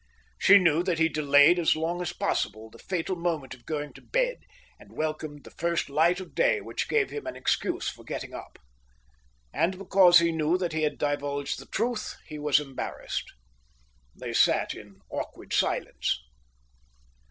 She knew that he delayed as long as possible the fatal moment of going to bed, and welcomed the first light of day, which gave him an excuse for getting up. And because he knew that he had divulged the truth he was embarrassed. They sat in awkward silence.